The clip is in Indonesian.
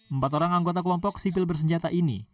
empat orang anggota kelompok sipil bersenjata ini